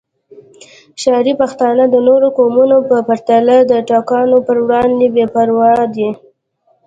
ښاري پښتانه د نورو قومونو په پرتله د ټاکنو پر وړاندې بې پروا دي